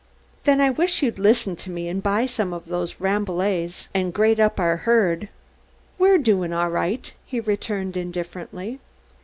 "Then I wish you'd listen to me and buy some of those Rambouillets and grade up our herd." "We're doing all right," he returned, indifferently.